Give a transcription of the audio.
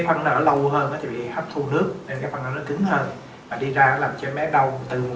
phân nở lâu hơn nó thì bị hấp thu nước nên cái phân nở nó cứng hơn và đi ra làm cho em bé đau từ một